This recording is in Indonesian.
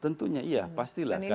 tentunya iya pastilah